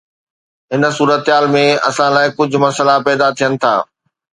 هن صورتحال ۾، اسان لاء، ڪجهه مسئلا پيدا ٿين ٿا